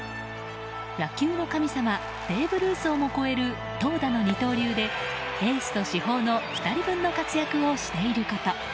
野球の神様ベーブ・ルースをも超える投打の二刀流でエースと主砲の２人分の活躍をしていること。